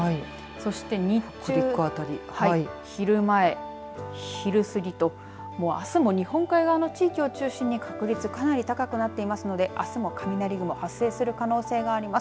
そして、日中昼前昼過ぎとあすも日本海側の地域を中心に確率、高くなっていますのであすも雷雲発生する可能性があります。